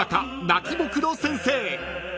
なきぼくろ先生］